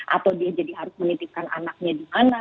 atau dia jadi harus menitipkan anaknya dimana